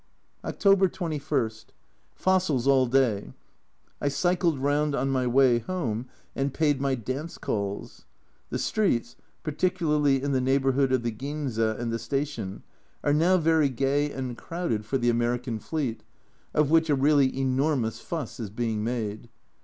October 21. Fossils all day. I cycled round on my way home and paid my dance calls. The streets, particularly in the neighbourhood of the Ginza and the station, are now very gay and crowded for the. (c 128) Q 226 A Journal from Japan American Fleet, of which a really enormous fuss is being made.